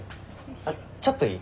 あっちょっといい？